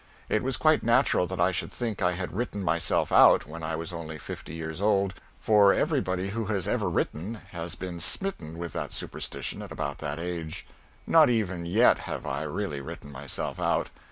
It was quite natural that I should think I had written myself out when I was only fifty years old, for everybody who has ever written has been smitten with that superstition at about that age. Not even yet have I really written myself out.